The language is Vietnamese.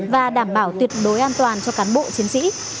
và đảm bảo tuyệt đối an toàn cho cán bộ chiến sĩ